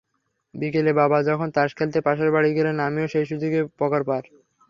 বিকেলে বাবা যখন তাস খেলতে পাশের বাড়ি গেলেন, আমিও সেই সুযোগে পগারপার।